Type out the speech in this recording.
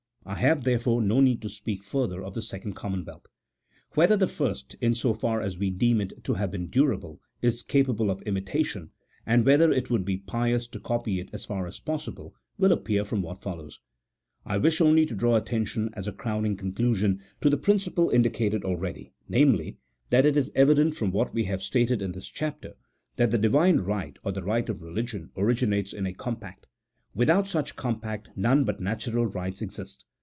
I have, therefore, no need to speak further of the second commonwealth. Whether the first, in so far as we deem it to have been durable, is capable of imitation, and whether it would be pious to copy it as far as possible, will appear from what follows. I wish only to draw attention, as a crown ing conclusion, to the principle indicated already — namely, that it is evident, from what we have stated in this chapter, that the Divine right, or the right of religion, originates in a compact: without such compact, none but natural rights exist.